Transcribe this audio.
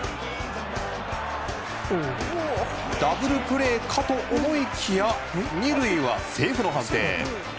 ダブルプレーかと思いきや２塁はセーフの判定。